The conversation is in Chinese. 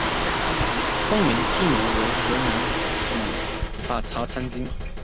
元丰七年为河南府法曹参军。